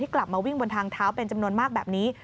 กลับมาวิ่งบนทางเท้าเป็นจำนวนมากแบบนี้